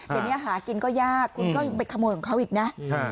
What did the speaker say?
เดี๋ยวนี้หากินก็ยากคุณก็ยังไปขโมยของเขาอีกนะ